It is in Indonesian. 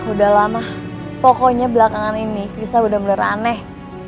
udah lama pokoknya belakangan ini krisna udah bener bener aneh